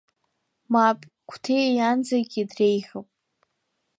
Мап, Қәҭиа иан зегьы дреиӷьуп.